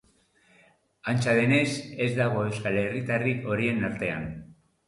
Antza denez, ez dago euskal herritarrik horien artean.